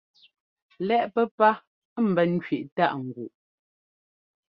Lɛ́ꞌ pɛ́pá ḿbɛn kẅiꞌ táꞌ ŋguꞌ.